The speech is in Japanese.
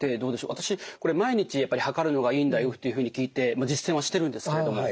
私これ毎日やっぱり量るのがいいんだよっていうふうに聞いて実践はしてるんですけれども。